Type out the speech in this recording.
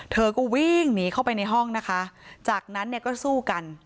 เธอก็วิ่งหนีเข้าไปในห้องนะคะจากนั้นเนี่ยก็สู้กัน